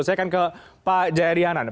saya akan ke pak jaya rianan